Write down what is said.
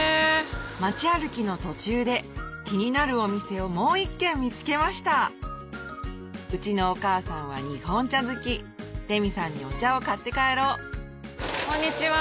街歩きの途中で気になるお店をもう一軒見つけましたうちのお義母さんは日本茶好きレミさんにお茶を買って帰ろうこんにちは。